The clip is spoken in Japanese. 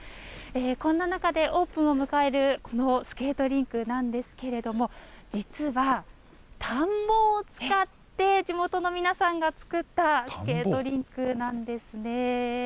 こんな中で、オープンを迎えるこのスケートリンクなんですけれども、実は、田んぼを使って地元の皆さんが作ったスケートリンクなんですね。